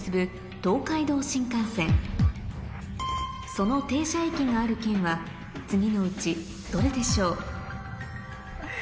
その停車駅がある県は次のうちどれでしょう？